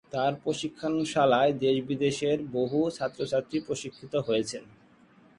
তার প্রশিক্ষণশালায় দেশ বিদেশের বহু ছাত্রছাত্রী প্রশিক্ষিত হয়েছেন।